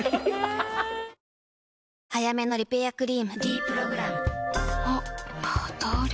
早めのリペアクリーム「ｄプログラム」あっ肌あれ？